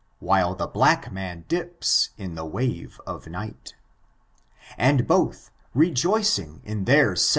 While the black man dips in the wave of nighi; And both, rejoicing in their se?